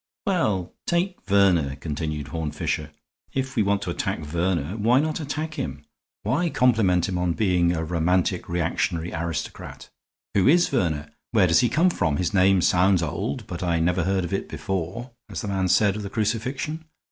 "Well, take Verner," continued Horne Fisher. "If we want to attack Verner, why not attack him? Why compliment him on being a romantic reactionary aristocrat? Who is Verner? Where does he come from? His name sounds old, but I never heard of it before, as the man said of the Crucifixion.